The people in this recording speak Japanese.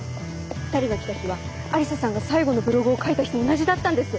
２人が来た日は愛理沙さんが最後のブログを書いた日と同じだったんです。